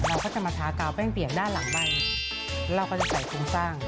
เราก็จะมาท้ากาวแป้งเปียกด้านหลังใบเราก็จะใส่โครงสร้าง